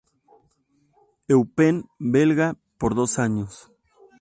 Eupen belga por dos años.